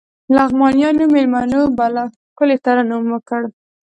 لغمانيو مېلمنو بلا ښکلی ترنم وکړ.